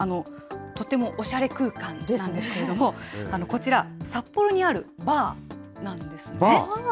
とってもおしゃれ空間なんですけれども、こちら、札幌にあるバーなんですが。